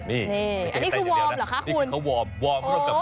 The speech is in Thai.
นี่คือคำวอร์มเหรอคะคุณ